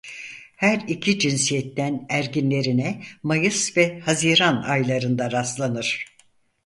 Her iki cinsiyetten erginlerine mayıs ve haziran aylarında rastlanır.